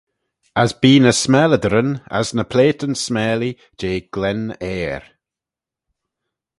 As bee ny smalyderyn, as ny plaityn smalee jeh glen airh.